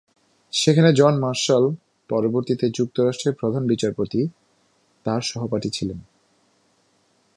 সেখানে John Marshall, পরবর্তীতে যুক্তরাষ্ট্রের প্রধান বিচারপতি, তার সহপাঠী ছিলেন।